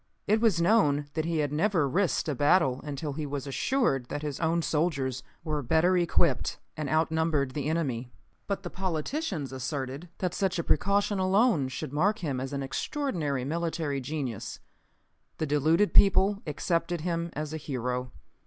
It was known that he had never risked a battle until he was assured that his own soldiers were better equipped and outnumbered the enemy. But the politicians asserted that such a precaution alone should mark him as an extraordinary military genius. The deluded people accepted him as a hero.